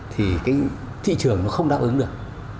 thì cái thị trường nó không đáp ứng được